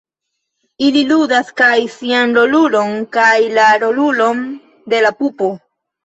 Ili ludas kaj sian rolulon kaj la rolulon de la pupo.